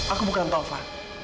aku bukan taufan